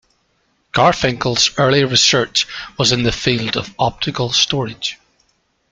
Garfinkel's early research was in the field of optical storage.